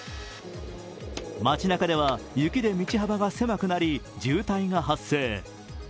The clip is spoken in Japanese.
街なかでは雪で道幅が狭くなり渋滞が発生。